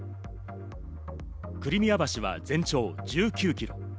クリミア橋は全長１９キロ。